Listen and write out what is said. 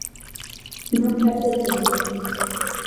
Non perde o tempo.